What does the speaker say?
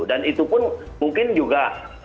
dan itu pun mungkin juga